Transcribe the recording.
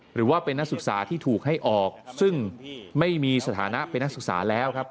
หรือว่าเป็นนักศึกษาที่ถูกให้ออกซึ่งไม่มีสถานะเป็นนักศึกษาแล้วครับ